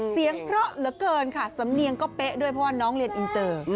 เสียงเพราะเหลือเกินค่ะสำเนียงก็เป๊ะด้วยเพราะว่าน้องเรียนอินเตอร์